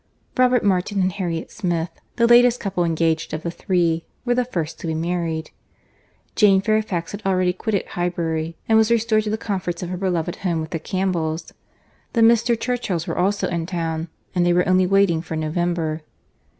—Robert Martin and Harriet Smith, the latest couple engaged of the three, were the first to be married. Jane Fairfax had already quitted Highbury, and was restored to the comforts of her beloved home with the Campbells.—The Mr. Churchills were also in town; and they were only waiting for November.